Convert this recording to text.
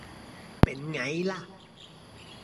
เป็นไงล่ะ